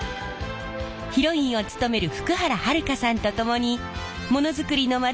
ヒロインを務める福原遥さんと共にモノづくりのまち